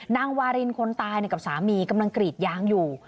นางวารินคนตายกับสามีกำลังกรีดยางอยู่